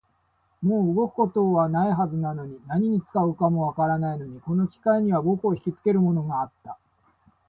もう動くことはないはずなのに、何に使うかもわからないのに、この機械には僕をひきつけるものがあった